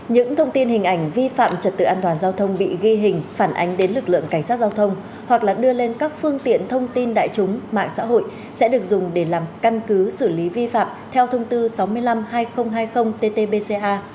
những thông tin hình ảnh vi phạm trật tự an toàn giao thông bị ghi hình phản ánh đến lực lượng cảnh sát giao thông hoặc đưa lên các phương tiện thông tin đại chúng mạng xã hội sẽ được dùng để làm căn cứ xử lý vi phạm theo thông tư sáu mươi năm hai nghìn hai mươi ttbca